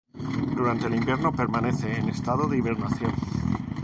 Durante el invierno permanece en estado de hibernación.